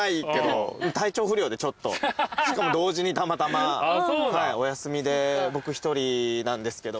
しかも同時にたまたまお休みで僕１人なんですけども。